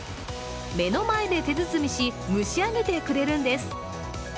目の前で手包みし、蒸し上げてくれるんです。